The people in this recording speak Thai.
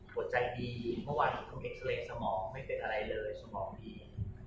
หัวใจดีเมื่อวันนี้เขามีอักษรรย์สมองไม่เป็นอะไรเลยสมองดี